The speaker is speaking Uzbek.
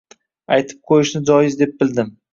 Aytib qo‘yishni joiz deb bildim.